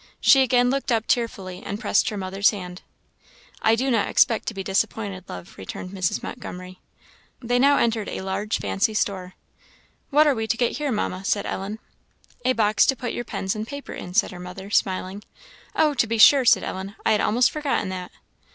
She again looked up tearfully, and pressed her mother's hand. "I do not expect to be disappointed, love," returned Mrs. Montgomery. They now entered a large fancy store. "What are we to get here, Mamma?" said Ellen. "A box to put your pens and paper in," said her mother, smiling. "Oh, to be sure," said Ellen; "I had almost forgotten that."